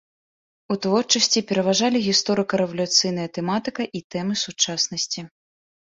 У творчасці пераважалі гісторыка-рэвалюцыйная тэматыка і тэмы сучаснасці.